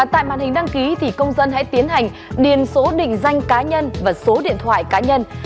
tại màn hình đăng ký thì công dân hãy tiến hành điền số định danh cá nhân và số điện thoại cá nhân